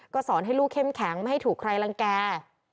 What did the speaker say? สอนให้ลูกเข้มแข็งไม่ให้ถูกใครรังแก่